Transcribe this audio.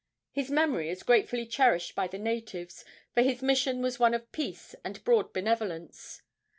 His memory is gratefully cherished by the natives, for his mission was one of peace and broad benevolence.